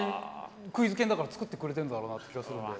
クイズ研だから作ってくれてるんだろうなって気がするんで。